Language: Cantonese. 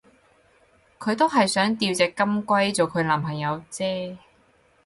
佢都係想吊隻金龜做佢男朋友啫